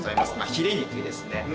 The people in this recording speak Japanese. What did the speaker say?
ヒレ肉ですね。